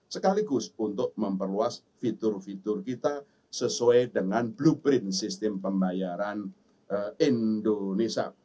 sekaligus untuk memperluas fitur fitur kita sesuai dengan blueprint sistem pembayaran indonesia